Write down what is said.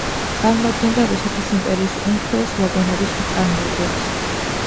წარმოადგენდა რუსეთის იმპერიის უმსხვილეს ვაგონების მწარმოებელს.